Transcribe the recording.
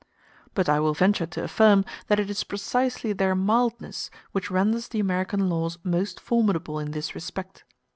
*c But I will venture to affirm that it is precisely their mildness which renders the American laws most formidable in this respect.